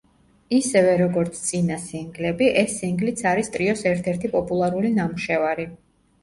ისევე, როგორც წინა სინგლები, ეს სინგლიც არის ტრიოს ერთ-ერთი პოპულარული ნამუშევარი.